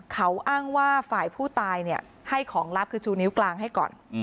เขาอ้างว่าฝ่ายผู้ตายให้ของลับคือชูนิ้วกลางให้ก่อน